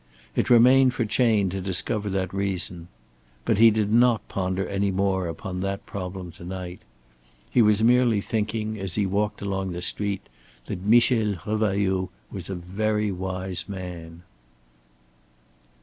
It remained for Chayne to discover that reason. But he did not ponder any more upon that problem to night. He was merely thinking as he walked along the street that Michel Revailloud was a very wise man.